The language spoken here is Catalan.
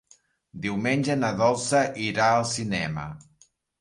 Diumenge na Dolça irà al cinema.